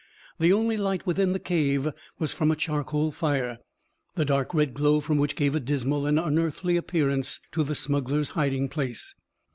The only light within the cave was from a charcoal fire, the dark red glow from which gave a dismal and unearthly appearance to the smuggler's hiding place.